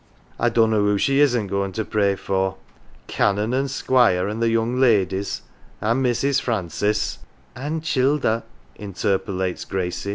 " I dunno who she isn't goin' to pray for. Canon, an' Squire, an' the young ladies, an' Mrs. Francis " An' childer'," interpolates Gracie.